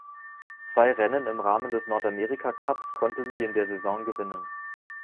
Zwei Rennen im Rahmen des Nordamerika-Cups konnte sie in der Saison gewinnen.